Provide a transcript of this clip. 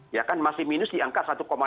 ya kan masih minus di angka satu enam puluh lima